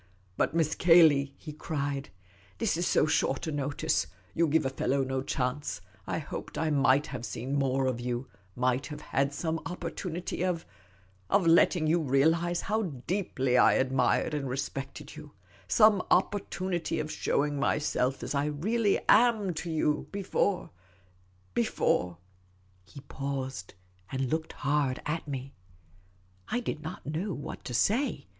" But, Miss Cayley," he cried, " this is so short a notice ; you give a fellow no chance ; I hoped I might have seen more of you — might have had son;i2 opportunity of — of letting you realise how deeply I admired and respected you — some opportunity of showing myself as I really am to you — before — before " he paused, and looked hard at me. I did not know what to say.